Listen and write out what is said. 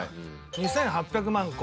２８００万戸。